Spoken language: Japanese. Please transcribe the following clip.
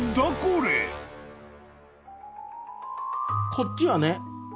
こっちはね